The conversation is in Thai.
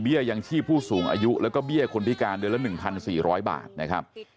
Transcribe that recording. ยังชีพผู้สูงอายุแล้วก็เบี้ยคนพิการเดือนละ๑๔๐๐บาทนะครับ